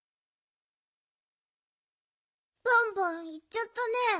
バンバンいっちゃったね。